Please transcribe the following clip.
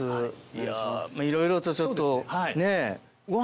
いやいろいろとちょっとねぇ。